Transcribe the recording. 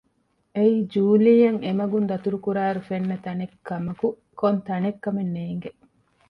އެއީ ޖޫލީއަށް އެމަގުން ދަތުރުކުރާ އިރު ފެންނަ ތަނެއްކަމަކު ކޮންތަނެއް ކަމެއް ނޭގެ